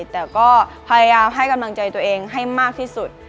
แต่ก็พยายามให้กำลังใจตัวเองให้มากที่สุด